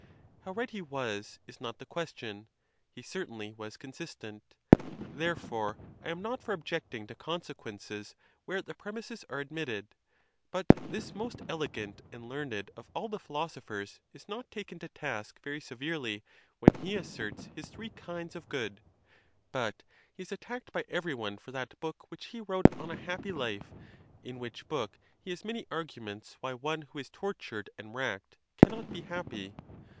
How right he was is not the question; he certainly was consistent. Therefore, I am not for objecting to consequences where the premises are admitted. But this most elegant and learned of all the philosophers is not taken to task very severely when he asserts his three kinds of good; but he is attacked by every one for that book which he wrote on a happy life, in which book he has many arguments why one who is tortured and racked cannot be happy.